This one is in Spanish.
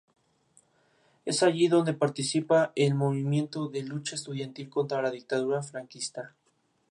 Es allí donde participa en el movimiento de lucha estudiantil contra la dictadura franquista.